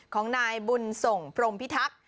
ของนายบุญส่งพรมพิทักษ์